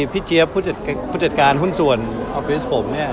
เจี๊ยบผู้จัดการหุ้นส่วนออฟฟิศผมเนี่ย